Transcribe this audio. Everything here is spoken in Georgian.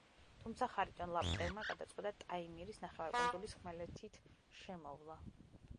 თუმცა ხარიტონ ლაპტევმა გადაწყვიტა ტაიმირის ნახევარკუნძულის ხმელეთით შემოვლა.